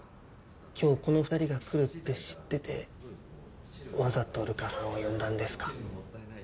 今日この２人が来るって知っててわざと瑠華さんを呼んだんですか？